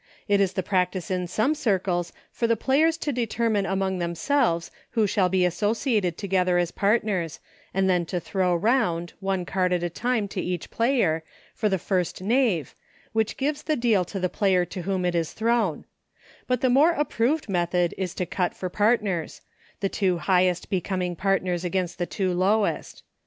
It is the practice in some circles for the players to determine among themselves who shall be associated together as partners, and then to throw round, one card at a time to each player, for the first Knave, which gives the deal to the player to whom it is thrown ; but the more approved method is to cut for partners, the two highest becoming partners against the two lowest.